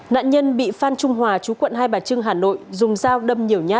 nạn nhân bị phan trung hòa chú quận hai bà trưng hà nội dùng dao đâm nhiều nhát